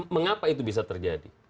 mengapa itu bisa terjadi